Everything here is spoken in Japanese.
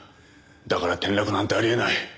だから転落なんてあり得ない。